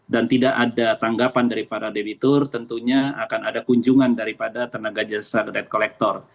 dan tidak ada tanggapan daripada debitor tentunya akan ada kunjungan daripada tenaga jasa debt collector